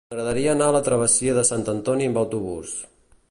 M'agradaria anar a la travessia de Sant Antoni amb autobús.